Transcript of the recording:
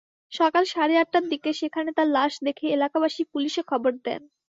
সকাল সাড়ে আটটার দিকে সেখানে তার লাশ দেখে এলাকাবাসী পুলিশে খবর দেন।